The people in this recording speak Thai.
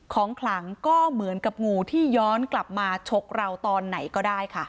ขลังก็เหมือนกับงูที่ย้อนกลับมาชกเราตอนไหนก็ได้ค่ะ